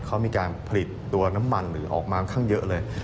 เขามีการผลิตตัวน้ำมันหรือออกมาค่อนข้างเยอะเลย